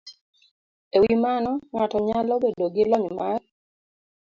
E wi mano, ng'ato nyalo bedo gi lony mar